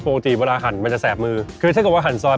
พอพี่เจ้ามันแบบโปรไม่ต้องหันครึ่งเลย